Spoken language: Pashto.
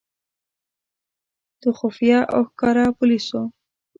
د خفیه او ښکاره پولیسو.